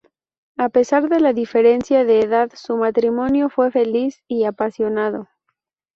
A pesar de la diferencia de edad, su matrimonio fue feliz y apasionado.